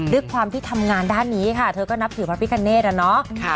ด้วยความที่ทำงานด้านนี้ค่ะเธอก็นับถือพระพิคเนธอะเนาะ